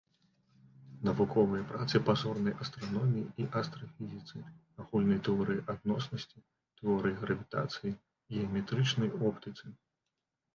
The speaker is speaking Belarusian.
Навуковыя працы па зорнай астраноміі і астрафізіцы, агульнай тэорыі адноснасці, тэорыі гравітацыі, геаметрычнай оптыцы.